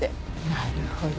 なるほどね。